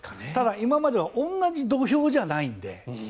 今までは同じ土俵じゃないので。